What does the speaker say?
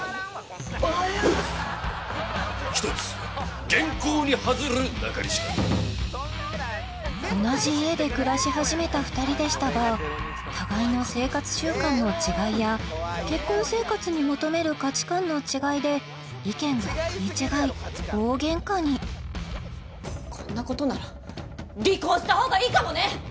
おはよう一つ言行に恥づるなかりしか同じ家で暮らし始めた２人でしたが互いの生活習慣の違いや結婚生活に求める価値観の違いで意見が食い違い大げんかにこんなことなら離婚したほうがいいかもね！